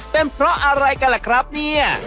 เป็นเพราะอะไรกันล่ะครับเนี่ย